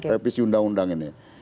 revisi undang undang ini